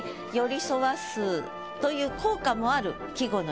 という効果もある季語の